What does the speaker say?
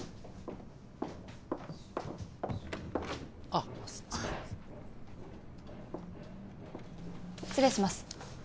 あっ失礼します